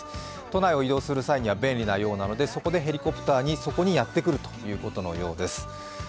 都内を移動する際には便利なようなので、そこでヘリコプターにそこにやってくるということのようです。